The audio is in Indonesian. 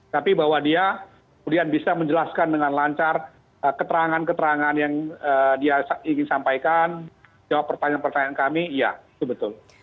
tapi bahwa dia kemudian bisa menjelaskan dengan lancar keterangan keterangan yang dia ingin sampaikan jawab pertanyaan pertanyaan kami iya itu betul